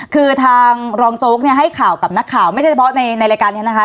คือทางรองโจ๊กเนี่ยให้ข่าวกับนักข่าวไม่ใช่เฉพาะในรายการนี้นะคะ